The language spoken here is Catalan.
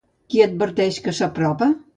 Qui adverteix que s'apropa?